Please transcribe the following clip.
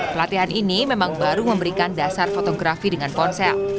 pelatihan ini memang baru memberikan dasar fotografi dengan ponsel